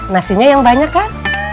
nasinya yang banyak kan